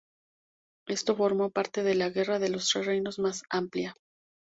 Esto formó parte de la Guerra de los Tres Reinos más amplia.